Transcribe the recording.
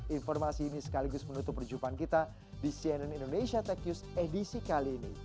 informasi ini sekaligus menutup perjumpaan kita di cnn indonesia tech news edisi kali ini